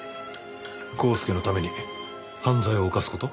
コースケのために犯罪を犯す事？